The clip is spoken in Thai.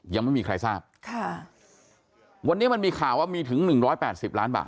ยังไม่มีใครทราบค่ะวันนี้มันมีข่าวว่ามีถึงหนึ่งร้อยแปดสิบล้านบาท